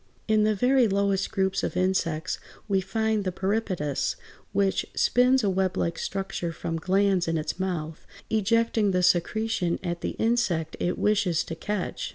In the very lowest groups of insects we find the Peripatus (Fig. 163), which spins a weblike structure from glands in its mouth, ejecting the secretion at the insect it wishes to catch.